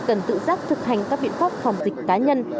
các doanh nghiệp cũng tự giác thực hành các biện pháp phòng dịch cá nhân